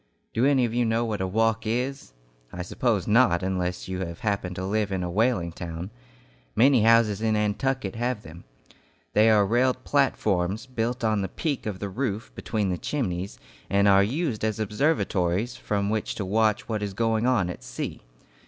Do any of you know what a "walk" is? I suppose not, unless you have happened to live in a whaling town. Many houses in Nantucket have them. They are railed platforms, built on the peak of the roof between the chimneys, and are used as observatories from which to watch what is going on at sea.